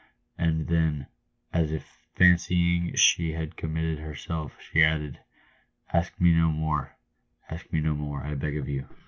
And then, as if fancying she had committed herself, she added, " Ask me no more — ask me no more, I beg of you I" PAVED WITH GOLD.